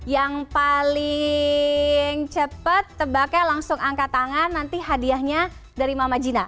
yang paling cepat tebaknya langsung angkat tangan nanti hadiahnya dari mama gina